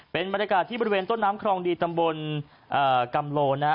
เป็นบรรยากาศที่บริเวณต้นน้ำครองดีตำบลกำโลนะฮะ